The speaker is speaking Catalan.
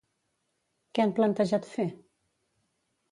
Què han plantejat fer?